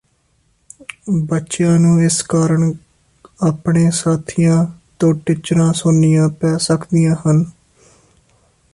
ਬੱਚਿਆਂ ਨੂੰ ਇਸ ਕਾਰਨ ਆਪਣੇ ਸਾਥੀਆਂ ਤੋਂ ਟਿੱਚਰਾਂ ਸੁਣਨੀਆਂ ਪੈ ਸਕਦੀਆਂ ਹਨ